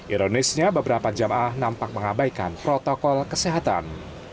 ironisnya beberapa jamaah nampak mengabaikan protokol kesehatan